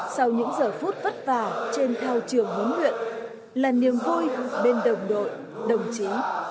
sau những giờ phút vất vả trên thao trường huấn luyện là niềm vui bên đồng đội đồng chí